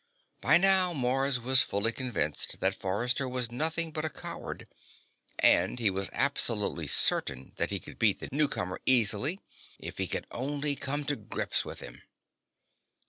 By now Mars was fully convinced that Forrester was nothing but a coward, and he was absolutely certain that he could beat the newcomer easily, if he could only come to grips with him.